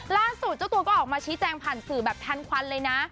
ล่าสุดเจ้าตัวก็ออกมาชี้แจงผ่านสื่อแบบทันควันเลยนะ